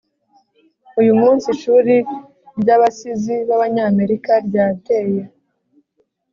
uyu munsi, ishuri ry'abasizi b'abanyamerika ryateye